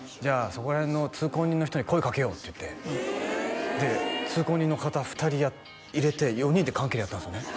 そこら辺の通行人の人に声かけようって言ってで通行人の方２人入れて４人で缶蹴りやったんですよね？